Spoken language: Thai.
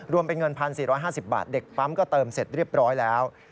รวมเป็นเงิน๑๔๕๐บาทเด็กปั๊มก็เติมเสร็จเรียบร้อยแล้ว